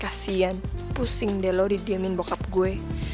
kasian pusing deh lo didiemin bokap gue